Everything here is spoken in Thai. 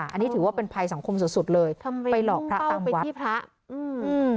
อันนี้ถือว่าเป็นภัยสังคมสุดสุดเลยทำไมไปหลอกพระตามไปที่พระอืม